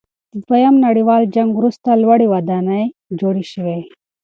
د دویم نړیوال جنګ وروسته لوړې ودانۍ جوړې شوې.